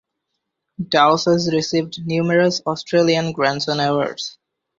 Dawes has received numerous Australian grants and awards.